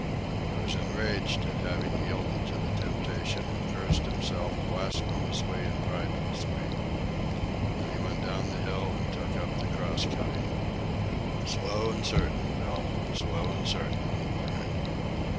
He was enraged at having yielded to the temptation, and berated himself blasphemously and pridelessly. Then he went down the hill and took up the cross cutting. "Slow an' certain, Bill; slow an' certain," he crooned.